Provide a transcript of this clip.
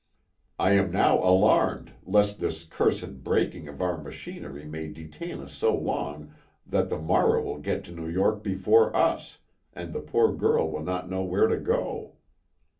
I am now alarmed lest this cursed breaking of our machinery may detain us so long that the Morrow will get to New York before us, and the poor girl will not know where to go."